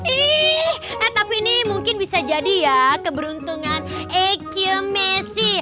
ih tapi ini mungkin bisa jadi ya keberuntungan ekiu mesi